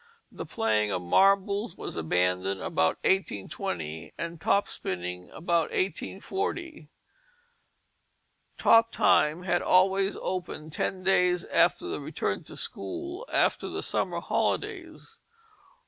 The playing of marbles was abandoned about 1820, and top spinning about 1840. Top time had always opened ten days after the return to school after the summer holidays.